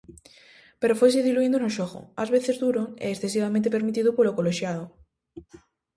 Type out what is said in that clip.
Pero foise diluíndo no xogo, ás veces duro e excesivamente permitido polo colexiado.